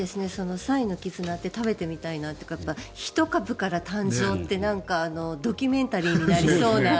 彩のきずなって食べてみたいなというか１株から誕生ってなんかドキュメンタリーになりそうな。